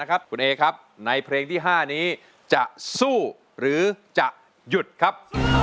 คุณเอครับในเพลงที่๕นี้จะสู้หรือจะหยุดครับ